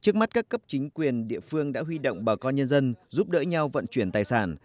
trước mắt các cấp chính quyền địa phương đã huy động bà con nhân dân giúp đỡ nhau vận chuyển tài sản